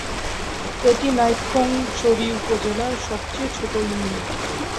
এটি নাইক্ষ্যংছড়ি উপজেলার সবচেয়ে ছোট ইউনিয়ন।